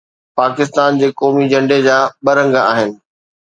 پاڪستان جي قومي جهنڊي جا ٻه رنگ آهن